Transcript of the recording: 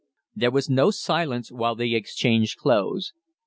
There was no silence while they exchanged clothes.